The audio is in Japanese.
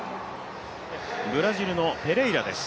ブラジルのペレイラです。